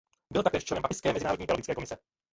Byl taktéž členem Papežské mezinárodní teologické komise.